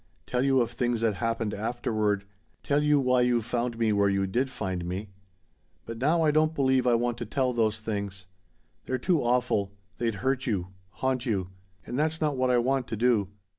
Tell you of things that happened afterward tell you why you found me where you did find me. But now I don't believe I want to tell those things. They're too awful. They'd hurt you haunt you. And that's not what I want to do.